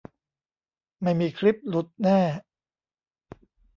ไม่มีคลิปหลุดแน่